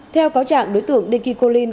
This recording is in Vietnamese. theo cáo trạng đối tượng dekikolin